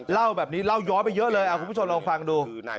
เล่าแบบนี้เล่าย้อนไปเยอะเลยคุณผู้ชมลองฟังดู